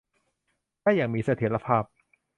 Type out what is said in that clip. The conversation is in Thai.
ได้อย่างมีเสถียรภาพ